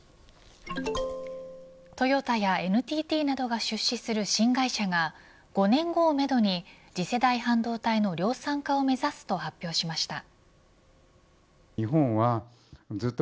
トヨタやＮＴＴなどが出資する新会社が５年後をめどに次世代半導体の量産化を目指すと発表しました。